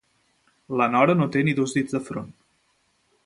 La Nora no té ni dos dits de front.